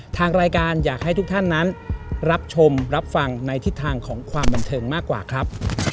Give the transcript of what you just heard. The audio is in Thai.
ทางรายการอยากให้ทุกท่านนั้นรับชมรับฟังในทิศทางของความบันเทิงมากกว่าครับ